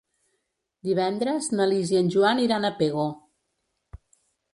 Divendres na Lis i en Joan iran a Pego.